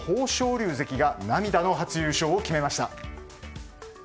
龍関が涙の初優勝を決めました。